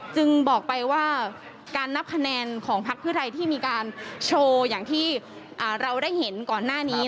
จึงบอกไปว่าการนับคะแนนของพักเพื่อไทยที่มีการโชว์อย่างที่เราได้เห็นก่อนหน้านี้